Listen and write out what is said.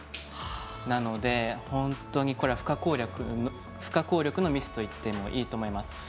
なので、本当に不可抗力のミスといってもいいと思います。